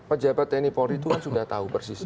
pejabat tni polri itu kan sudah tahu persis